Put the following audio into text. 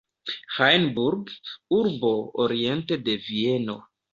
Hajnburg, urbo oriente de Vieno.